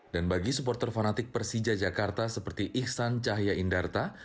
dan bagi supporter fanatik persija jakarta seperti iksan cahaya indarta